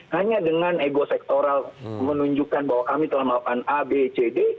hanya dengan ego sektoral menunjukkan bahwa kami telah melakukan a b c d